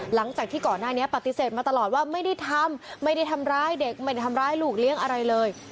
หลังจากที่ก่อนหน้านี้ปฏิเสธมาตลอดว่าไม่ได้ทำไม่ได้ทำร้ายเด็กไม่ได้ทำร้ายลูกเลี้ยงอะไรเลย